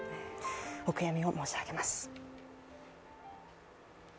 お悔やみを申し上げます。